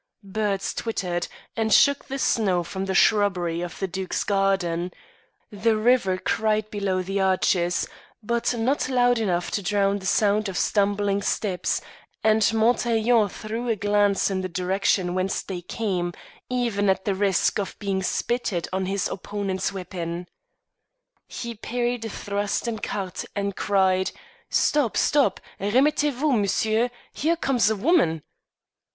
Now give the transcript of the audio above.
Birds twittered, and shook the snow from the shrubbery of the Duke's garden; the river cried below the arches, but not loud enough to drown the sound of stumbling steps, and Montaiglon threw a glance in the direction whence they came, even at the risk of being spitted on his opponent's weapon. He parried a thrust in quarte and cried, "Stop! stop! Remettez vous, monsieur! Here comes a woman."